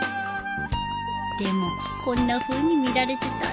でもこんなふうに見られてたんだ